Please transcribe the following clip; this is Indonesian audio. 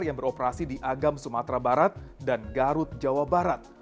yang beroperasi di agam sumatera barat dan garut jawa barat